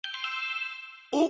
おっ！